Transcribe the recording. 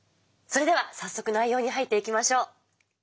それでは早速内容に入っていきましょう。